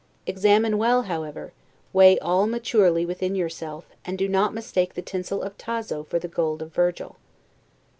Examine well, however; weigh all maturely within yourself; and do not mistake the tinsel of Tasso for the gold of Virgil.